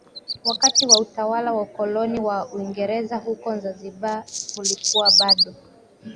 Wakati wa utawala wa ukoloni wa Uingereza huko Zanzibar kulikuwa bado